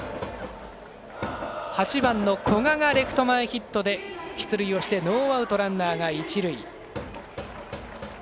８番の古賀がレフト前ヒットで出塁をしてノーアウト、ランナーが一塁。